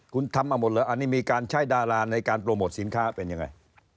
คุณทำมาหมดเหรออันนี้มีการใช้ดาราในการโปรโมทสินค้าเป็นยังไง